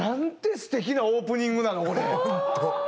すてきなオープニングなの？